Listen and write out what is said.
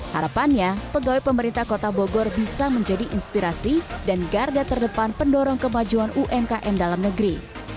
harapannya pegawai pemerintah kota bogor bisa menjadi inspirasi dan garda terdepan pendorong kemajuan umkm dalam negeri